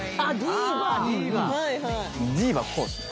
ディーバこうっすね。